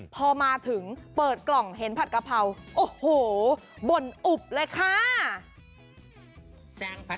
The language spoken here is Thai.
พอมาถึงเปิดกล่องเห็นผัดกะเพราโอ้โหบ่นอุบเลยค่ะ